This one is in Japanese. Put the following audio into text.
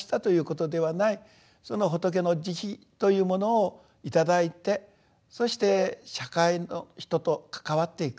その仏の慈悲というものを頂いてそして社会の人と関わっていく。